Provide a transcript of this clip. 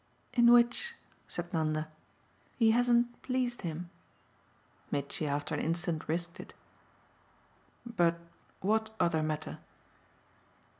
"In which," said Nanda, "he hasn't pleased him." Mitchy after an instant risked it. "But what other matter?"